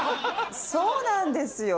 そうなんですよ